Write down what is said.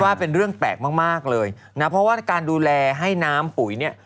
มีมมมมมมมมมมมมตั้งแตกมักเลยเพราะว่าการดูแลให้น้ำปุ๋ยเนี่ย